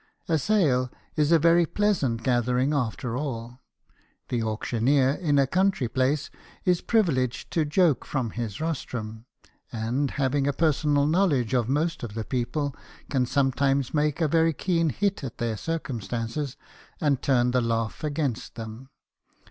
A sale is a very pleasant gathering after all. The auctioneer, in a country place, is privileged to joke from his rostrum; and, having a Lizzie Leiyh. 19 290 me. hakbison's confessions. personal knowledge of most of the people, can sometimes make a very keen hit at their circumstances, and turn the laugh against them.